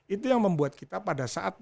itu yang membuat kita pada saat